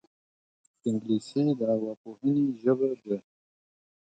انګلیسي د ارواپوهنې ژبه ده